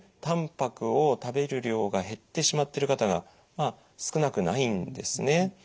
たんぱくを食べる量が減ってしまってる方がまあ少なくないんですね。